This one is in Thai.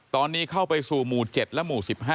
ตอนนี้เข้าไปสู่หมู่๗และหมู่๑๕